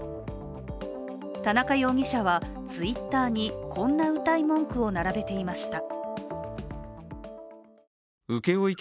田中容疑者はＴｗｉｔｔｅｒに、こんなうたい文句を並べていました。